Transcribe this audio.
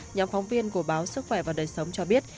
nhóm phóng viên của báo sức khỏe và đời sống cho biết